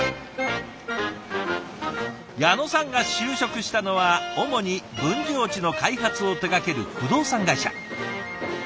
矢野さんが就職したのは主に分譲地の開発を手がける不動産会社。